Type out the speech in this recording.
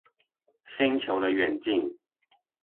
星球的遠近